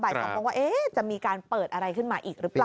สองคนว่าจะมีการเปิดอะไรขึ้นมาอีกหรือเปล่า